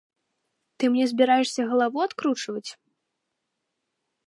Ты мне збіраешся галаву адкручваць?